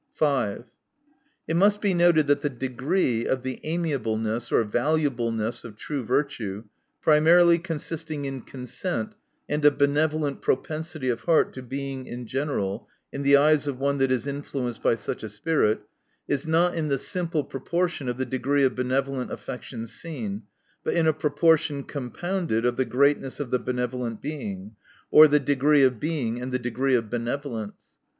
5. It must be noted, that the degree of the amiableness or valvableness of Irue virtue, primarily consisting in consent and a benevolent propensity of heart to Being in general, in the eyes of one that is influenced by such a spirit, is not in the simple proportion of the degree of benevolent affection seen, but in a proportion compounded of the greatness of the benevolent Being or the degree of Being and the degree of benevolence.